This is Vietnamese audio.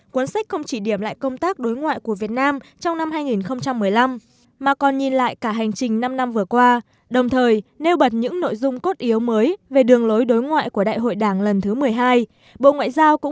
cuốn sách không chỉ điểm lại công tác đối ngoại của việt nam trong năm hai nghìn một mươi năm mà còn nhìn lại cả hành trình năm năm vừa qua đồng thời nêu bật những nội dung cốt yếu mới về đường lối đối ngoại của đại hội đảng lần thứ một mươi hai